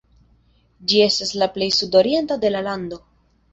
Ĝi estas la plej sudorienta de la lando.